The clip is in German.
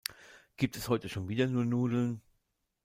Gibt es heute schon wieder nur Nudeln?